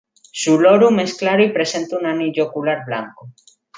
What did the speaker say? Su lorum es claro y presenta un anillo ocular blanco.